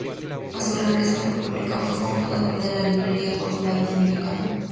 A su regreso a República fue co-fundador de la Librería Cultural Dominicana.